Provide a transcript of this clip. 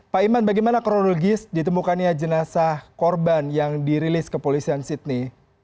pak iman bagaimana kronologis ditemukannya jenazah korban yang dirilis kepolisian sydney